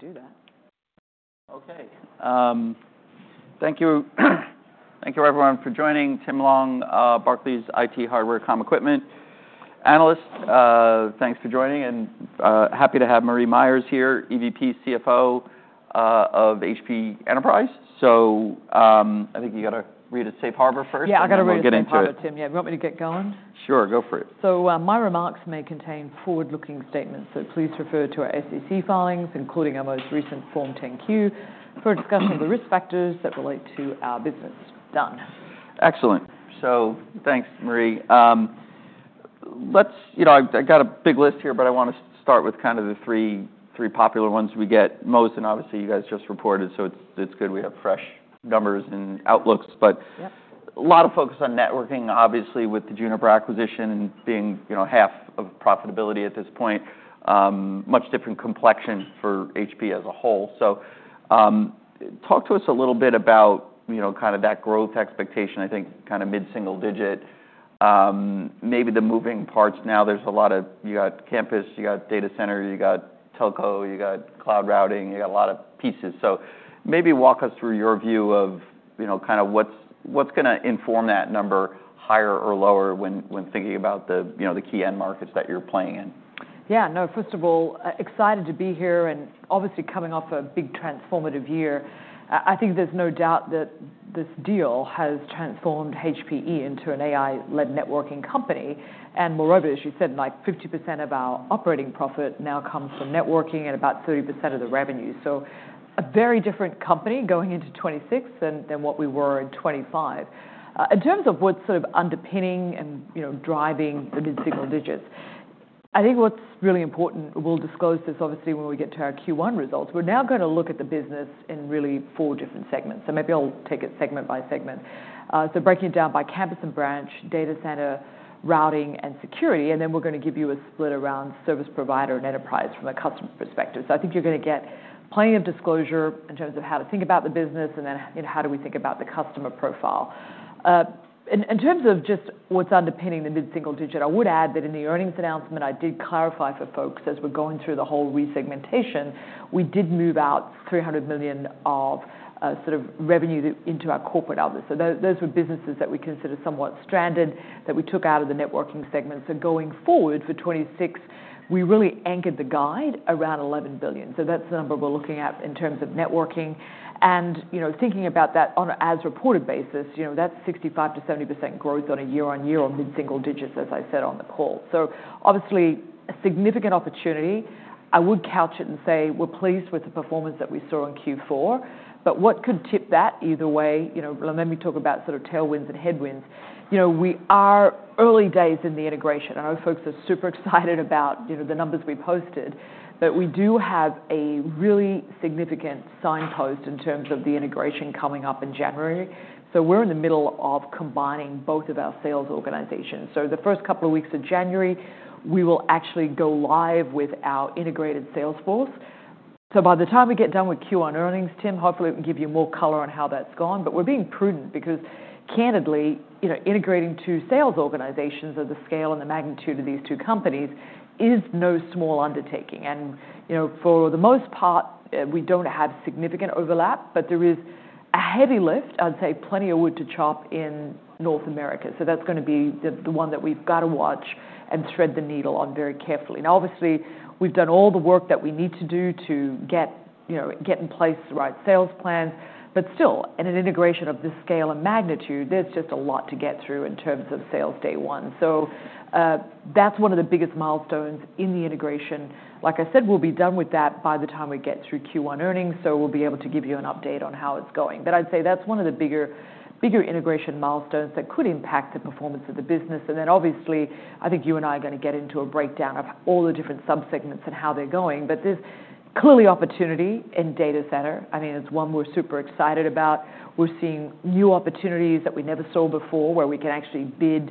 Definitely do that. Okay. Thank you, thank you, everyone for joining. Tim Long, Barclays IT hardware, Comm Equipment analyst. Thanks for joining and happy to have Marie Myers here, EVP CFO, of Hewlett Packard Enterprise, so I think you gotta read a safe harbor first before we get into it. Yeah, I gotta read a safe harbor, Tim. Yeah, you want me to get going? Sure, go for it. So, my remarks may contain forward-looking statements, so please refer to our SEC filings, including our most recent Form 10-Q, for a discussion of the risk factors that relate to our business. Done. Excellent. So thanks, Marie. Let's, you know, I've got a big list here, but I wanna start with kind of the three most popular ones we get, and obviously you guys just reported, so it's good we have fresh numbers and outlooks, but. Yep. A lot of focus on networking, obviously, with the Juniper acquisition and being, you know, half of profitability at this point. Much different complexion for HP as a whole. So, talk to us a little bit about, you know, kind of that growth expectation, I think kind of mid-single digit. Maybe the moving parts now, there's a lot of, you got campus, you got data center, you got telco, you got cloud routing, you got a lot of pieces. So maybe walk us through your view of, you know, kind of what's, what's gonna inform that number higher or lower when, when thinking about the, you know, the key end markets that you're playing in. Yeah, no. First of all, excited to be here and obviously coming off a big transformative year. I think there's no doubt that this deal has transformed HPE into an AI-led networking company. And moreover, as you said, like 50% of our operating profit now comes from networking and about 30% of the revenue. So a very different company going into 2026 than what we were in 2025. In terms of what's sort of underpinning and, you know, driving the mid-single digits, I think what's really important. We'll disclose this obviously when we get to our Q1 results. We're now gonna look at the business in really four different segments. So maybe I'll take it segment by segment. So breaking it down by campus and branch, data center, routing, and security. And then we're gonna give you a split around service provider and enterprise from a customer perspective. So I think you're gonna get plenty of disclosure in terms of how to think about the business and then, you know, how do we think about the customer profile. In terms of just what's underpinning the mid-single digit, I would add that in the earnings announcement, I did clarify for folks as we're going through the whole resegmentation, we did move out $300 million of, sort of, revenue into our corporate office. Those were businesses that we consider somewhat stranded that we took out of the networking segment. Going forward for 2026, we really anchored the guide around $11 billion. That's the number we're looking at in terms of networking. And, you know, thinking about that on an as-reported basis, you know, that's 65%-70% growth on a year-on-year or mid-single digits, as I said on the call, so obviously a significant opportunity. I would couch it and say we're pleased with the performance that we saw in Q4, but what could tip that either way? You know, let me talk about sort of tailwinds and headwinds. You know, we are early days in the integration. I know folks are super excited about, you know, the numbers we posted, but we do have a really significant signpost in terms of the integration coming up in January. So we're in the middle of combining both of our sales organizations. So the first couple of weeks of January, we will actually go live with our integrated sales force. So by the time we get done with Q1 earnings, Tim, hopefully it will give you more color on how that's gone. But we're being prudent because candidly, you know, integrating two sales organizations of the scale and the magnitude of these two companies is no small undertaking, and you know, for the most part, we don't have significant overlap, but there is a heavy lift, I'd say plenty of wood to chop in North America, so that's gonna be the one that we've gotta watch and thread the needle on very carefully. Now, obviously, we've done all the work that we need to do to get, you know, get in place the right sales plans, but still, in an integration of this scale and magnitude, there's just a lot to get through in terms of sales day one, so that's one of the biggest milestones in the integration. Like I said, we'll be done with that by the time we get through Q1 earnings, so we'll be able to give you an update on how it's going, but I'd say that's one of the bigger, bigger integration milestones that could impact the performance of the business, and then obviously, I think you and I are gonna get into a breakdown of all the different subsegments and how they're going, but there's clearly opportunity in data center. I mean, it's one we're super excited about. We're seeing new opportunities that we never saw before where we can actually bid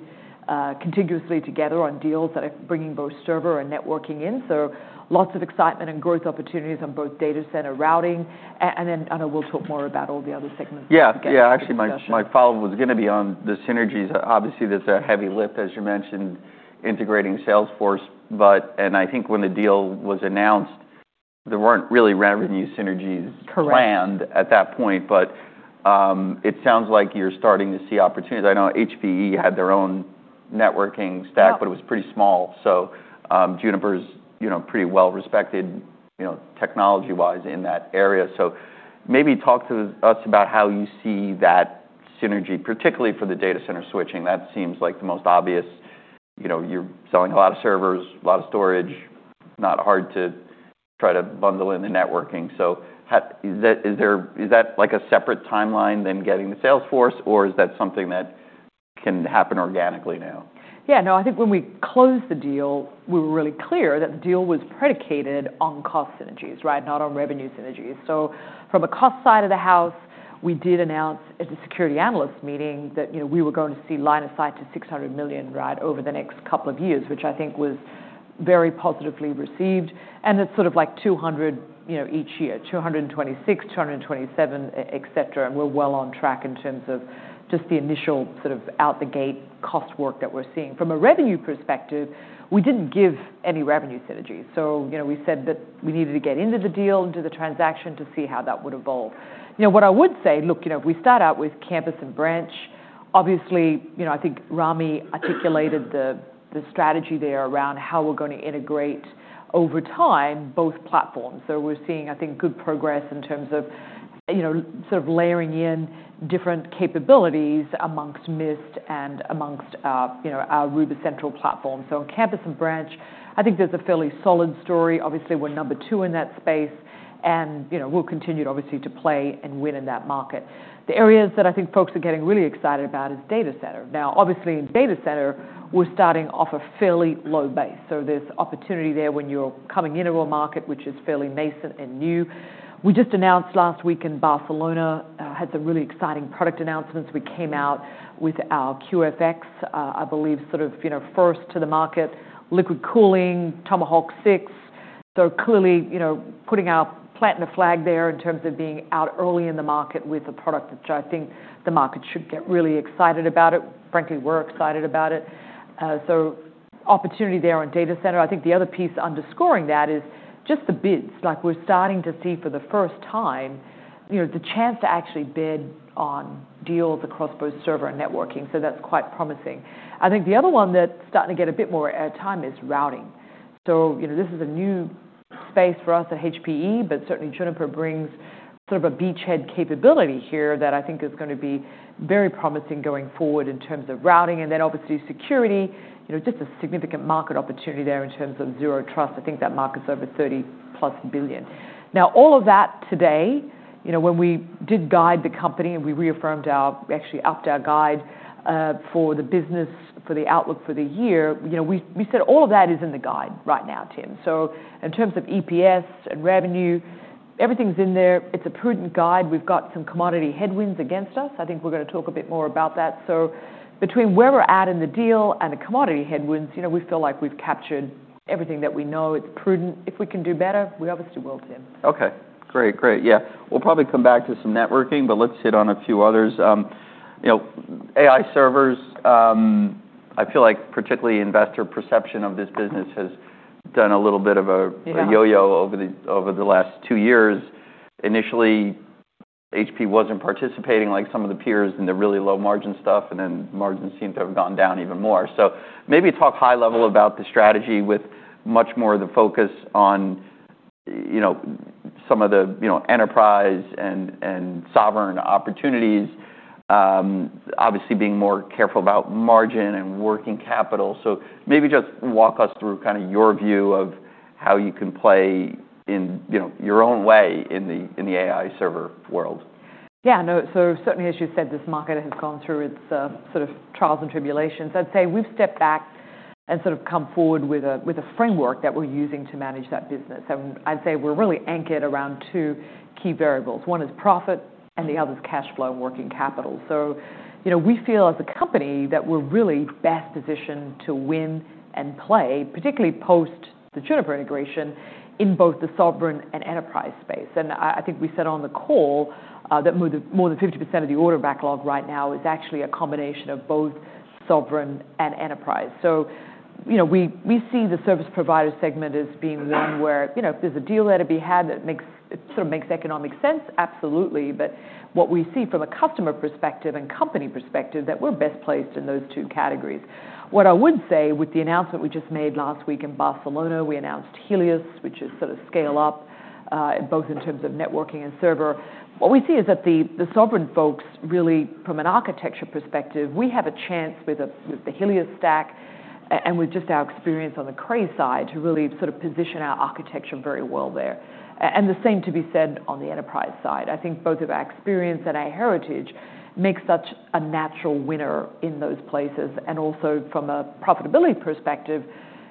competitively together on deals that are bringing both server and networking in, so lots of excitement and growth opportunities on both data center routing, and then, I know we'll talk more about all the other segments. Yeah. Yeah, actually my, my follow-up was gonna be on the synergies. Obviously, there's a heavy lift, as you mentioned, integrating sales force, but, and I think when the deal was announced, there weren't really revenue synergies. Correct. Planned at that point, but it sounds like you're starting to see opportunities. I know HPE had their own networking stack, but it was pretty small. So Juniper's, you know, pretty well-respected, you know, technology-wise in that area. So maybe talk to us about how you see that synergy, particularly for the data center switching. That seems like the most obvious. You know, you're selling a lot of servers, a lot of storage, not hard to try to bundle in the networking. So how is that, is there, is that like a separate timeline than getting the sales force, or is that something that can happen organically now? Yeah, no, I think when we closed the deal, we were really clear that the deal was predicated on cost synergies, right? Not on revenue synergies. So from a cost side of the house, we did announce at the securities analyst meeting that, you know, we were going to see line of sight to $600 million, right, over the next couple of years, which I think was very positively received. And it's sort of like $200 million, you know, each year, $226 million, $227 million, et cetera. And we're well on track in terms of just the initial sort of out-the-gate cost work that we're seeing. From a revenue perspective, we didn't give any revenue synergies. So, you know, we said that we needed to get into the deal, into the transaction to see how that would evolve. You know, what I would say, look, you know, if we start out with campus and branch, obviously, you know, I think Rami articulated the strategy there around how we're gonna integrate over time both platforms. So we're seeing, I think, good progress in terms of, you know, sort of layering in different capabilities amongst Mist and amongst our, you know, our Aruba Central platform. So on campus and branch, I think there's a fairly solid story. Obviously, we're number two in that space and, you know, we'll continue to obviously play and win in that market. The areas that I think folks are getting really excited about is data center. Now, obviously in data center, we're starting off a fairly low base. So there's opportunity there when you are coming into a market which is fairly nascent and new. We just announced last week in Barcelona. Had some really exciting product announcements. We came out with our QFX, I believe sort of, you know, first to the market, liquid cooling, Tomahawk 6. So clearly, you know, putting our planting flag there in terms of being out early in the market with a product which I think the market should get really excited about. Frankly, we're excited about it. So opportunity there on data center. I think the other piece underscoring that is just the bids. Like we're starting to see for the first time, you know, the chance to actually bid on deals across both server and networking. So that's quite promising. I think the other one that's starting to get a bit more airtime is routing. So, you know, this is a new space for us at HPE, but certainly Juniper brings sort of a beachhead capability here that I think is gonna be very promising going forward in terms of routing. And then obviously security, you know, just a significant market opportunity there in terms of zero trust. I think that market's over $30+ billion. Now, all of that today, you know, when we did guide the company and we reaffirmed our, actually upped our guide, for the business, for the outlook for the year, you know, we said all of that is in the guide right now, Tim. So in terms of EPS and revenue, everything's in there. It's a prudent guide. We've got some commodity headwinds against us. I think we're gonna talk a bit more about that. So between where we're at in the deal and the commodity headwinds, you know, we feel like we've captured everything that we know. It's prudent. If we can do better, we obviously will, Tim. Okay. Great, great. Yeah. We'll probably come back to some networking, but let's hit on a few others. You know, AI servers, I feel like particularly investor perception of this business has done a little bit of a yo-yo over the last two years. Initially, HP wasn't participating like some of the peers in the really low margin stuff, and then margins seem to have gone down even more. So maybe talk high level about the strategy with much more of the focus on, you know, some of the enterprise and sovereign opportunities, obviously being more careful about margin and working capital. So maybe just walk us through kind of your view of how you can play in, you know, your own way in the AI server world. Yeah, no, so certainly as you said, this market has gone through its sort of trials and tribulations. I'd say we've stepped back and sort of come forward with a framework that we're using to manage that business, and I'd say we're really anchored around two key variables. One is profit and the other's cash flow and working capital, so you know, we feel as a company that we're really best positioned to win and play, particularly post the Juniper integration in both the sovereign and enterprise space, and I think we said on the call that more than 50% of the order backlog right now is actually a combination of both sovereign and enterprise. So, you know, we see the service provider segment as being one where, you know, if there's a deal that'd be had that sort of makes economic sense, absolutely. But what we see from a customer perspective and company perspective is that we're best placed in those two categories. What I would say with the announcement we just made last week in Barcelona, we announced Helios, which is sort of scale up, both in terms of networking and server. What we see is that the sovereign folks really, from an architecture perspective, we have a chance with the Helios stack and with just our experience on the Cray side to really sort of position our architecture very well there. And the same to be said on the enterprise side. I think both of our experience and our heritage makes such a natural winner in those places. And also from a profitability perspective,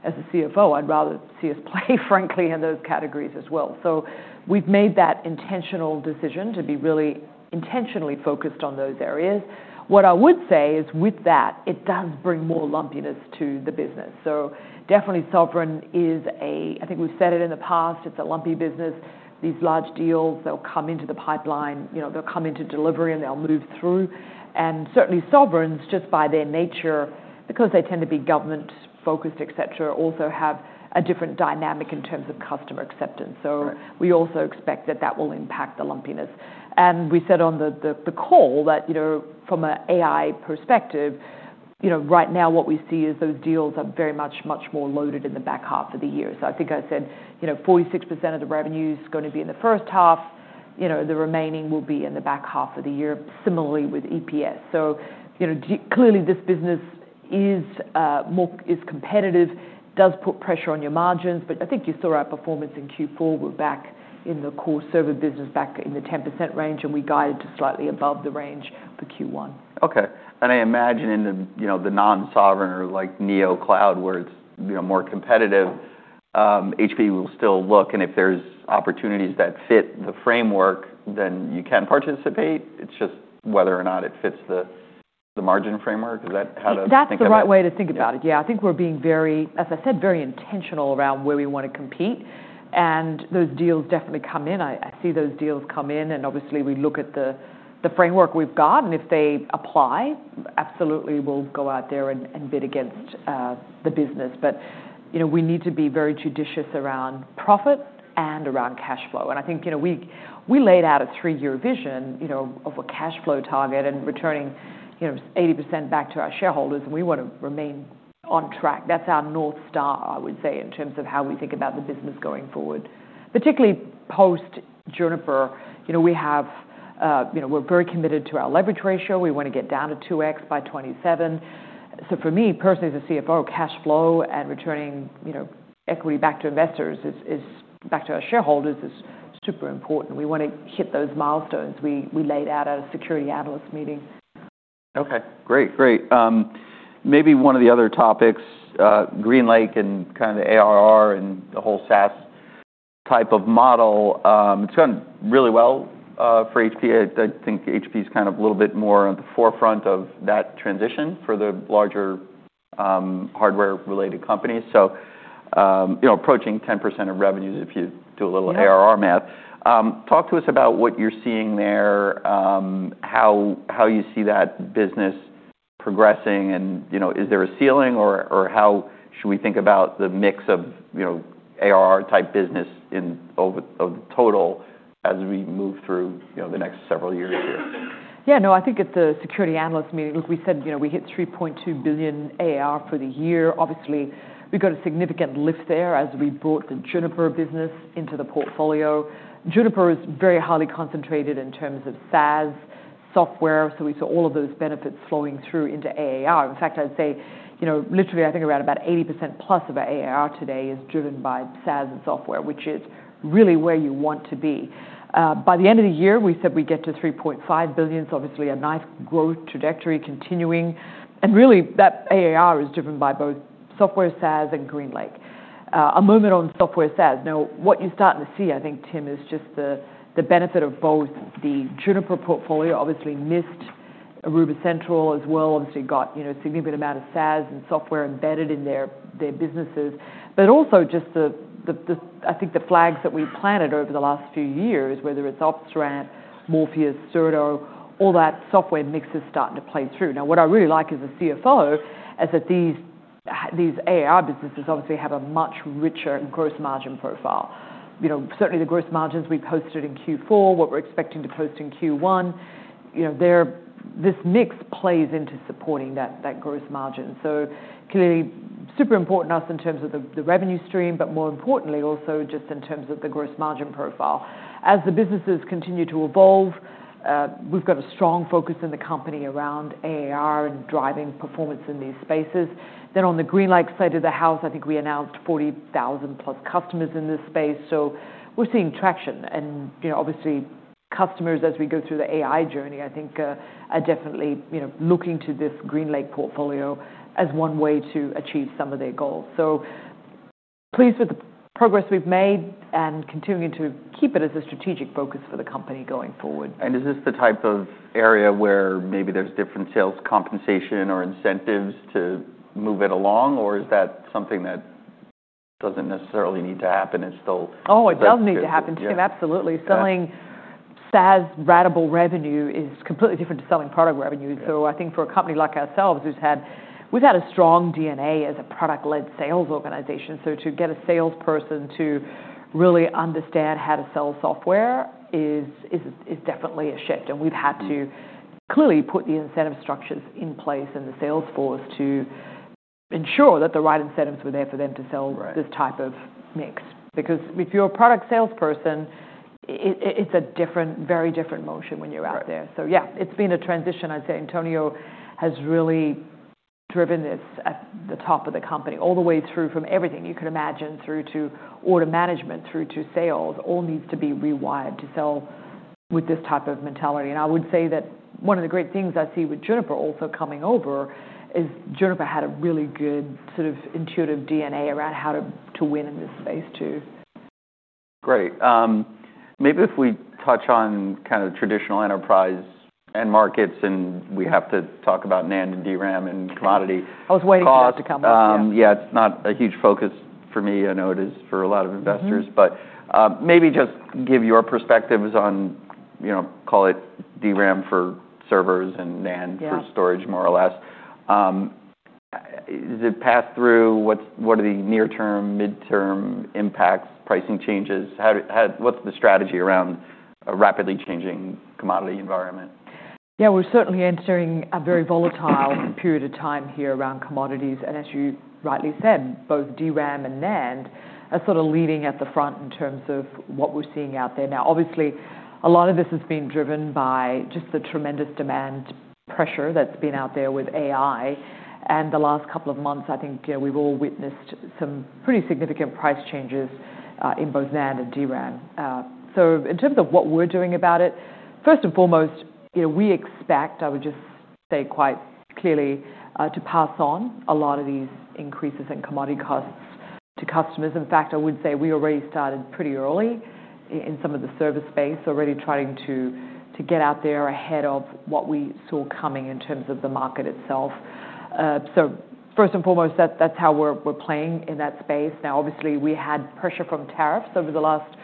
as a CFO, I'd rather see us play, frankly, in those categories as well. So we've made that intentional decision to be really intentionally focused on those areas. What I would say is with that, it does bring more lumpiness to the business. So definitely sovereign is a, I think we've said it in the past, it's a lumpy business. These large deals, they'll come into the pipeline, you know, they'll come into delivery and they'll move through. And certainly sovereigns, just by their nature, because they tend to be government-focused, et cetera, also have a different dynamic in terms of customer acceptance. So we also expect that that will impact the lumpiness. And we said on the call that, you know, from an AI perspective, you know, right now what we see is those deals are very much more loaded in the back half of the year. So I think I said, you know, 46% of the revenue's gonna be in the first half, you know, the remaining will be in the back half of the year, similarly with EPS. So, you know, clearly this business is more competitive, does put pressure on your margins, but I think you saw our performance in Q4. We're back in the core server business, back in the 10% range, and we guided to slightly above the range for Q1. Okay. And I imagine in the, you know, the non-sovereign or like Neocloud where it's, you know, more competitive, HP will still look, and if there's opportunities that fit the framework, then you can participate. It's just whether or not it fits the margin framework. Is that how to think of it? That's the right way to think about it. Yeah. I think we're being very, as I said, very intentional around where we wanna compete, and those deals definitely come in. I see those deals come in, and obviously we look at the framework we've got, and if they apply, absolutely we'll go out there and bid against the business, but you know, we need to be very judicious around profit and around cash flow, and I think, you know, we laid out a three-year vision, you know, of a cash flow target and returning, you know, 80% back to our shareholders, and we wanna remain on track. That's our north star, I would say, in terms of how we think about the business going forward, particularly post Juniper. You know, we have, you know, we're very committed to our leverage ratio. We wanna get down to 2x by 2027. So for me personally, as a CFO, cash flow and returning, you know, equity back to investors is back to our shareholders is super important. We wanna hit those milestones. We laid out at a Securities Analyst Meeting. Okay. Great, great. Maybe one of the other topics, GreenLake and kind of the ARR and the whole SaaS type of model, it's gone really well, for HP. I, I think HP's kind of a little bit more at the forefront of that transition for the larger, hardware-related companies. So, you know, approaching 10% of revenues if you do a little ARR math. Talk to us about what you're seeing there, how, how you see that business progressing, and, you know, is there a ceiling or, or how should we think about the mix of, you know, ARR type business in over, over the total as we move through, you know, the next several years here? Yeah, no, I think at the security analyst meeting, look, we said, you know, we hit $3.2 billion AAR for the year. Obviously, we got a significant lift there as we brought the Juniper business into the portfolio. Juniper is very highly concentrated in terms of SaaS software. So we saw all of those benefits flowing through into AAR. In fact, I'd say, you know, literally I think around about 80% plus of our AAR today is driven by SaaS and software, which is really where you want to be. By the end of the year, we said we get to $3.5 billion. It's obviously a nice growth trajectory continuing. And really that AAR is driven by both software SaaS and GreenLake. A moment on software SaaS. Now what you're starting to see, I think, Tim, is just the benefit of both the Juniper portfolio, obviously MIST, Aruba Central as well, obviously got, you know, a significant amount of SaaS and software embedded in their businesses. But also just the flags that we planted over the last few years, whether it's OpsRamp, Morpheus, Zerto, all that software mix is starting to play through. Now what I really like as a CFO is that these ARR businesses obviously have a much richer gross margin profile. You know, certainly the gross margins we posted in Q4, what we're expecting to post in Q1, you know, they're this mix plays into supporting that gross margin. So clearly super important to us in terms of the revenue stream, but more importantly also just in terms of the gross margin profile. As the businesses continue to evolve, we've got a strong focus in the company around ARR and driving performance in these spaces, then on the GreenLake side of the house, I think we announced 40,000 plus customers in this space, so we're seeing traction, and, you know, obviously customers, as we go through the AI journey, I think, are definitely, you know, looking to this GreenLake portfolio as one way to achieve some of their goals, so pleased with the progress we've made and continuing to keep it as a strategic focus for the company going forward. And is this the type of area where maybe there's different sales compensation or incentives to move it along, or is that something that doesn't necessarily need to happen? It's still. Oh, it does need to happen, Tim. Absolutely. Selling SaaS ratable revenue is completely different to selling product revenue. So I think for a company like ourselves, we've had a strong DNA as a product-led sales organization. So to get a salesperson to really understand how to sell software is definitely a shift. And we've had to clearly put the incentive structures in place in the sales force to ensure that the right incentives were there for them to sell this type of mix. Because if you're a product salesperson, it's a very different motion when you're out there. So yeah, it's been a transition. I'd say Antonio has really driven this at the top of the company all the way through from everything you could imagine through to order management, through to sales, all needs to be rewired to sell with this type of mentality, and I would say that one of the great things I see with Juniper also coming over is Juniper had a really good sort of intuitive DNA around how to win in this space too. Great. Maybe if we touch on kind of traditional enterprise and markets and we have to talk about NAND and DRAM and commodity. I was waiting for that to come up. Yeah, it's not a huge focus for me. I know it is for a lot of investors, but maybe just give your perspectives on, you know, call it DRAM for servers and NAND for storage, more or less. Is it passed through? What are the near term, midterm impacts, pricing changes? What's the strategy around a rapidly changing commodity environment? Yeah, we're certainly entering a very volatile period of time here around commodities, and as you rightly said, both DRAM and NAND are sort of leading at the front in terms of what we're seeing out there now. Obviously, a lot of this has been driven by just the tremendous demand pressure that's been out there with AI, and the last couple of months, I think, you know, we've all witnessed some pretty significant price changes, in both NAND and DRAM, so in terms of what we're doing about it, first and foremost, you know, we expect, I would just say quite clearly, to pass on a lot of these increases in commodity costs to customers. In fact, I would say we already started pretty early in some of the service space, already trying to get out there ahead of what we saw coming in terms of the market itself. so first and foremost, that's how we're playing in that space. Now, obviously we had pressure from tariffs over the last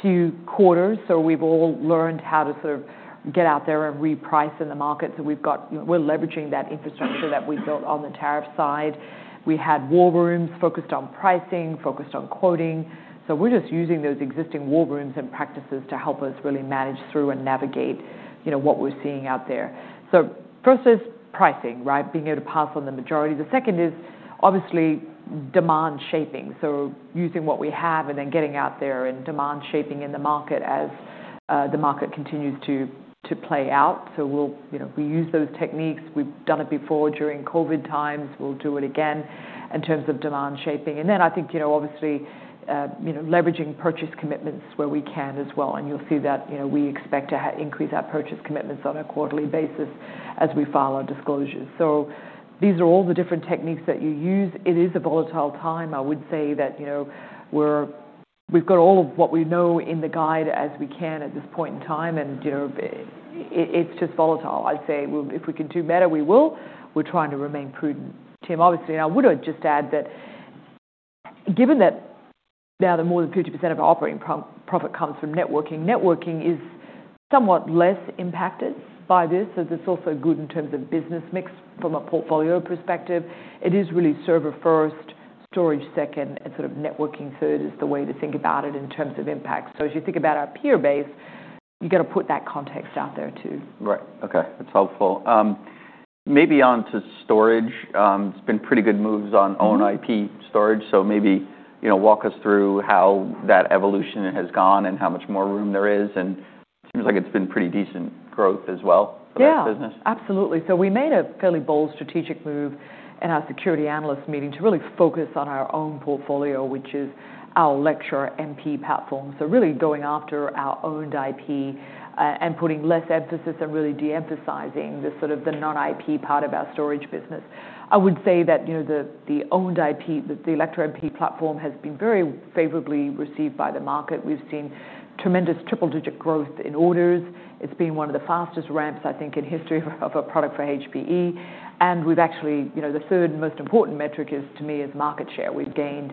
few quarters. so we've all learned how to sort of get out there and reprice in the market. so we're leveraging that infrastructure that we built on the tariff side. We had war rooms focused on pricing, focused on quoting. so we're just using those existing war rooms and practices to help us really manage through and navigate, you know, what we're seeing out there. so first is pricing, right? Being able to pass on the majority. The second is obviously demand shaping. So using what we have and then getting out there and demand shaping in the market as the market continues to play out. So we'll, you know, we use those techniques. We've done it before during COVID times. We'll do it again in terms of demand shaping. And then I think, you know, obviously, you know, leveraging purchase commitments where we can as well. And you'll see that, you know, we expect to increase our purchase commitments on a quarterly basis as we file our disclosures. So these are all the different techniques that you use. It is a volatile time. I would say that, you know, we've got all of what we know in the guide as we can at this point in time. And, you know, it's just volatile. I'd say if we can do better, we will. We're trying to remain prudent, Tim. Obviously, and I would just add that given that now the more than 50% of our operating profit comes from networking, networking is somewhat less impacted by this. So that's also good in terms of business mix from a portfolio perspective. It is really server first, storage second, and sort of networking third is the way to think about it in terms of impact. So as you think about our peer base, you gotta put that context out there too. Right. Okay. That's helpful. Maybe onto storage. It's been pretty good moves on own IP storage. So maybe, you know, walk us through how that evolution has gone and how much more room there is. And it seems like it's been pretty decent growth as well for that business. Yeah, absolutely. So we made a fairly bold strategic move in our securities analyst meeting to really focus on our own portfolio, which is our Alletra MP platform. So really going after our owned IP, and putting less emphasis and really de-emphasizing the sort of the non-IP part of our storage business. I would say that, you know, the, the owned IP, the Alletra MP platform has been very favorably received by the market. We've seen tremendous triple-digit growth in orders. It's been one of the fastest ramps, I think, in history of a product for HPE. And we've actually, you know, the third most important metric is to me is market share. We've gained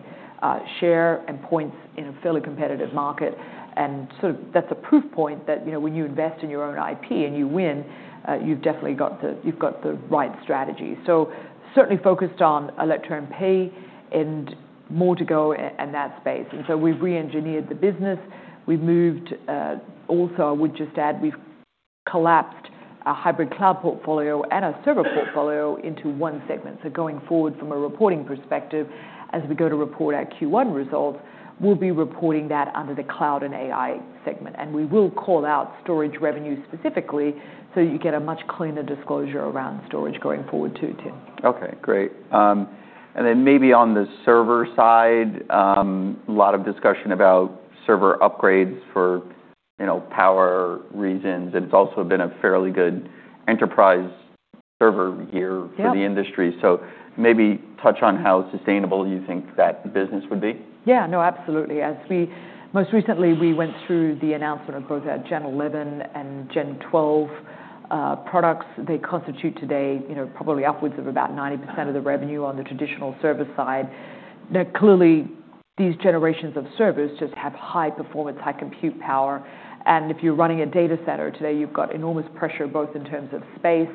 share and points in a fairly competitive market. And so that's a proof point that, you know, when you invest in your own IP and you win, you've definitely got the, you've got the right strategy. So certainly focused on Alletra MP and more to go in that space. And so we've re-engineered the business. We've moved, also. I would just add, we've collapsed our hybrid cloud portfolio and our server portfolio into one segment. So going forward from a reporting perspective, as we go to report our Q1 results, we'll be reporting that under the cloud and AI segment. And we will call out storage revenue specifically so you get a much cleaner disclosure around storage going forward too, Tim. Okay. Great, and then maybe on the server side, a lot of discussion about server upgrades for, you know, power reasons, and it's also been a fairly good enterprise server year for the industry, so maybe touch on how sustainable you think that business would be. Yeah. No, absolutely. As we most recently, we went through the announcement of both our Gen 11 and Gen 12 products. They constitute today, you know, probably upwards of about 90% of the revenue on the traditional server side. Now, clearly these generations of servers just have high performance, high compute power. And if you're running a data center today, you've got enormous pressure both in terms of space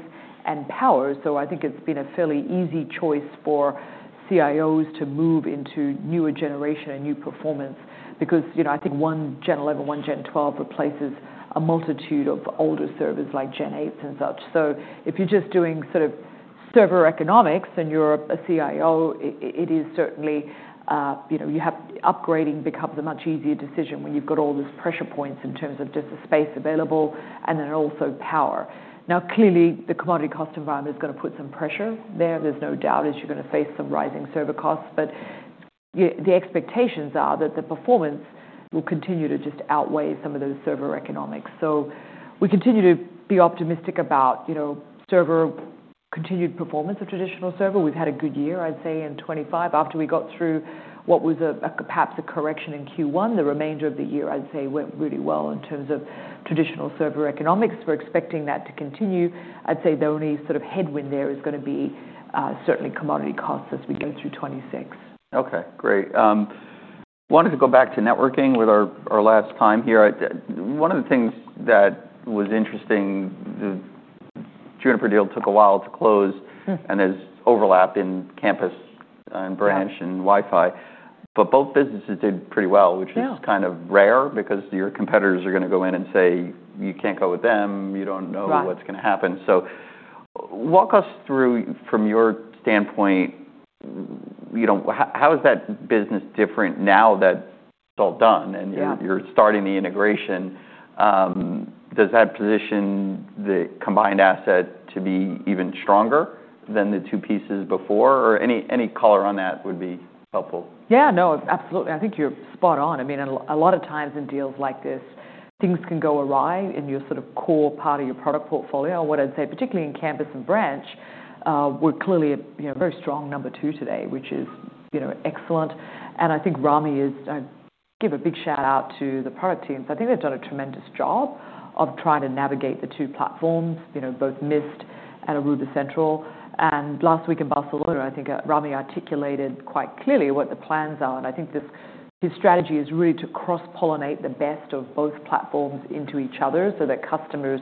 and power. So I think it's been a fairly easy choice for CIOs to move into newer generation and new performance because, you know, I think one Gen 11, one Gen 12 replaces a multitude of older servers like Gen 8s and such. So if you're just doing sort of server economics and you're a CIO, it is certainly, you know, you have upgrading becomes a much easier decision when you've got all these pressure points in terms of just the space available and then also power. Now, clearly the commodity cost environment is gonna put some pressure there. There's no doubt as you're gonna face some rising server costs. But the expectations are that the performance will continue to just outweigh some of those server economics. So we continue to be optimistic about, you know, server continued performance of traditional server. We've had a good year, I'd say, in 2025 after we got through what was perhaps a correction in Q1. The remainder of the year, I'd say, went really well in terms of traditional server economics. We're expecting that to continue. I'd say the only sort of headwind there is gonna be, certainly commodity costs as we go through 2026. Okay. Great. Wanted to go back to networking with our last time here. One of the things that was interesting, the Juniper deal took a while to close and there's overlap in campus and branch and Wi-Fi. But both businesses did pretty well, which is kind of rare because your competitors are gonna go in and say you can't go with them. You don't know what's gonna happen. So walk us through from your standpoint, you know, how is that business different now that it's all done and you're starting the integration? Does that position the combined asset to be even stronger than the two pieces before, or any color on that would be helpful? Yeah. No, absolutely. I think you're spot on. I mean, a lot of times in deals like this, things can go awry in your sort of core part of your product portfolio. What I'd say, particularly in campus and branch, we're clearly a, you know, very strong number two today, which is, you know, excellent. And I think Rami is. I give a big shout out to the product teams. I think they've done a tremendous job of trying to navigate the two platforms, you know, both Mist and Aruba Central. And last week in Barcelona, I think Rami articulated quite clearly what the plans are. And I think this, his strategy is really to cross-pollinate the best of both platforms into each other so that customers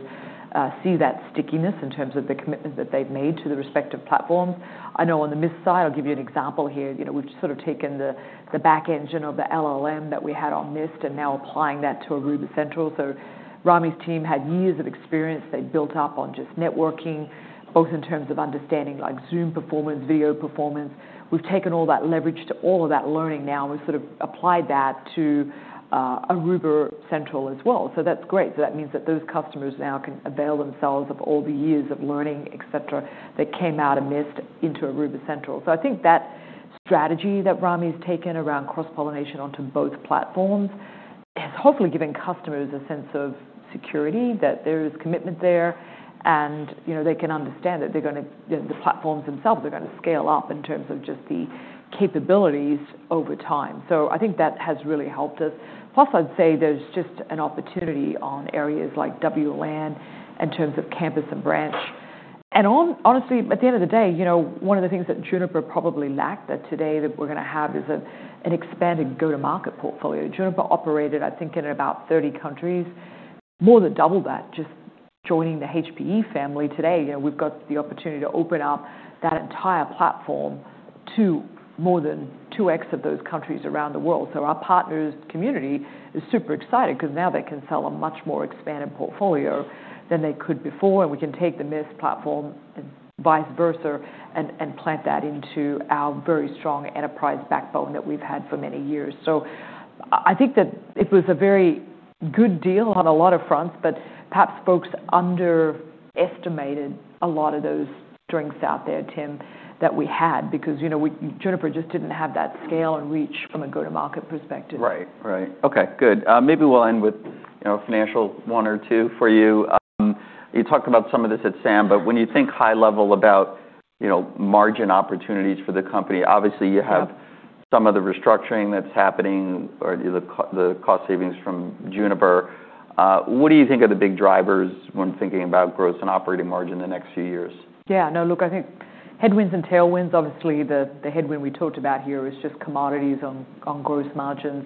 see that stickiness in terms of the commitment that they've made to the respective platforms. I know on the Mist side, I'll give you an example here. You know, we've sort of taken the backend of the LLM that we had on Mist and now applying that to Aruba Central. So Rami's team had years of experience. They built up on just networking, both in terms of understanding like Zoom performance, video performance. We've taken all that leverage to all of that learning now. We've sort of applied that to Aruba Central as well. So that's great. So that means that those customers now can avail themselves of all the years of learning, et cetera, that came out of Mist into Aruba Central. So I think that strategy that Rami's taken around cross-pollination onto both platforms has hopefully given customers a sense of security that there is commitment there and, you know, they can understand that they're gonna, you know, the platforms themselves are gonna scale up in terms of just the capabilities over time. So I think that has really helped us. Plus, I'd say there's just an opportunity on areas like WLAN in terms of campus and branch. And honestly, at the end of the day, you know, one of the things that Juniper probably lacked that today that we're gonna have is an expanded go-to-market portfolio. Juniper operated, I think, in about 30 countries, more than double that just joining the HPE family today. You know, we've got the opportunity to open up that entire platform to more than two X of those countries around the world. So our partners' community is super excited 'cause now they can sell a much more expanded portfolio than they could before. And we can take the Mist platform and vice versa and plant that into our very strong enterprise backbone that we've had for many years. So I think that it was a very good deal on a lot of fronts, but perhaps folks underestimated a lot of those strengths out there, Tim, that we had because, you know, we Juniper just didn't have that scale and reach from a go-to-market perspective. Right. Right. Okay. Good. Maybe we'll end with, you know, financial one or two for you. You talked about some of this at SAM, but when you think high level about, you know, margin opportunities for the company, obviously you have some of the restructuring that's happening or the cost savings from Juniper. What do you think are the big drivers when thinking about growth and operating margin in the next few years? Yeah. No, look, I think headwinds and tailwinds. Obviously, the headwind we talked about here is just commodities on gross margins,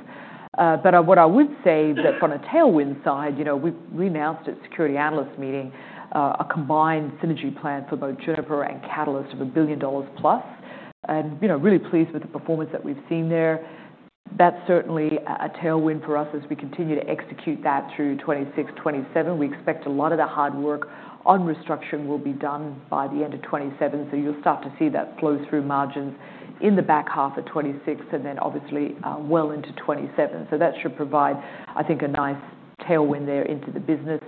but what I would say that from a tailwind side, you know, we announced at Securities Analyst Meeting a combined synergy plan for both Juniper and Catalyst of $1 billion plus. And, you know, really pleased with the performance that we've seen there. That's certainly a tailwind for us as we continue to execute that through 2026, 2027. We expect a lot of the hard work on restructuring will be done by the end of 2027. So you'll start to see that flow through margins in the back half of 2026 and then obviously well into 2027. So that should provide, I think, a nice tailwind there into the business.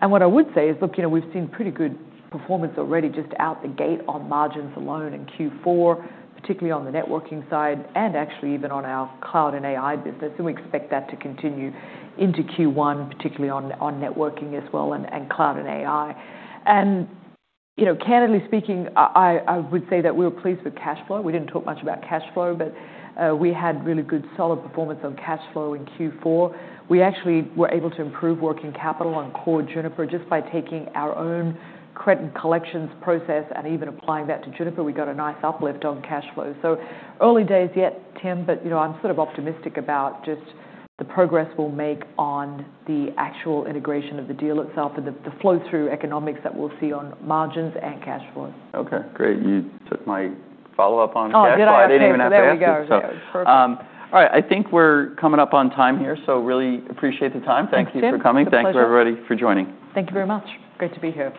And what I would say is, look, you know, we've seen pretty good performance already just out the gate on margins alone in Q4, particularly on the networking side and actually even on our cloud and AI business. And we expect that to continue into Q1, particularly on networking as well and cloud and AI. And, you know, candidly speaking, I would say that we were pleased with cash flow. We didn't talk much about cash flow, but we had really good solid performance on cash flow in Q4. We actually were able to improve working capital on core Juniper just by taking our own credit collections process and even applying that to Juniper. We got a nice uplift on cash flow. So early days yet, Tim, but, you know, I'm sort of optimistic about just the progress we'll make on the actual integration of the deal itself and the flow through economics that we'll see on margins and cash flow. Okay. Great. You took my follow-up on cash flow I didn't even have to ask. Oh, good. I was there. There you go. So, all right. I think we're coming up on time here. So really appreciate the time. Thank you for coming. Thank you. Thanks, everybody, for joining. Thank you very much. Great to be here.